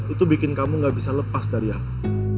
itu bikin kamu gak bisa lepas dari aku